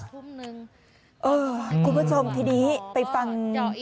คุณผู้ชมทีนี้ไปฟัง